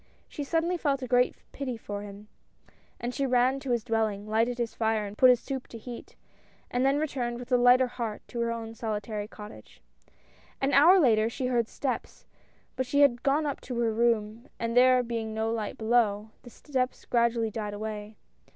She suddenly felt a great pity for him, and she ran to his dwelling, lighted his fire, and put his soup to heat, and then returned with a lighter heart to her own solitary cottage. An hour later she heard steps, but she had gone up to her room, and there being no light below, the steps gradu ally died away.